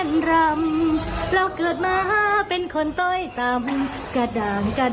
ขอบคุณขอบคุณมากค่ะพอดีเป็นนักร้องอะค่ะ